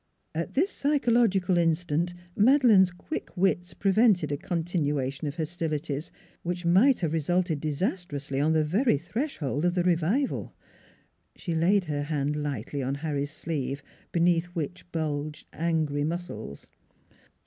At this psychological instant Madeleine's quick wits prevented a continuation of hostilities which might have resulted disastrously on the very threshold of the revival. She laid her hand lightly on Harry's sleeve, beneath which bulged angry muscles.